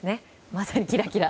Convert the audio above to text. まさにキラキラ！